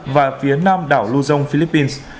và phía nam đảo luzon philippines